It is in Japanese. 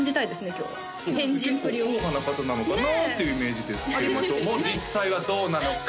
今日は変人っぷりを結構硬派な方なのかなっていうイメージですけれども実際はどうなのか？